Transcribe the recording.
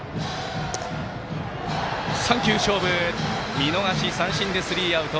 見逃し三振でスリーアウト。